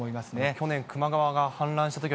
去年、球磨川が氾濫したとき